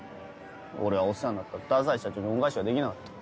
俺はお世話になった太宰社長に恩返しができなかった。